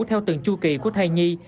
theo từng chu kỳ của thai nhi